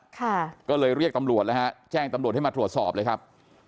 ค่ะก็เลยเรียกตำรวจแล้วฮะแจ้งตำรวจให้มาตรวจสอบเลยครับ